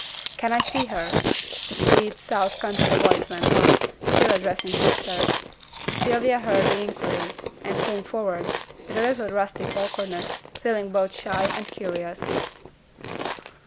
'Can I see her?' the sweet, south country voice went on, still addressing Hester. Sylvia heard the inquiry, and came forwards, with a little rustic awkwardness, feeling both shy and curious.